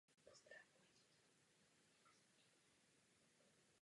Vznikly čtyři slavné typologie.